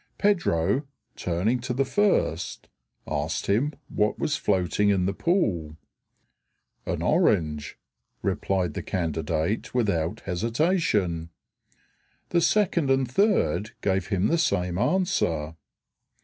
Pedro, turning to the first, asked him what was floating in the pool. "An orange," replied the candidate without hesitation. The second and third gave him the same answer.